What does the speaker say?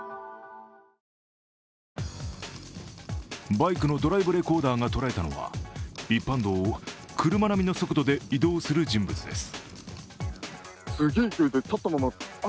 バイクのドライブレコーダーが捉えたのは一般道を車並みの速度で移動する人物です。